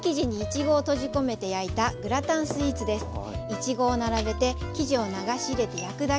いちごを並べて生地を流し入れて焼くだけ。